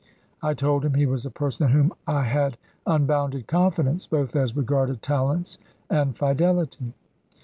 I told him he was a person in whom I had unbounded confidence, both as regarded talents and fidelity.